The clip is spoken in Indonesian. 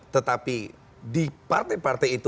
tetapi di partai partai itu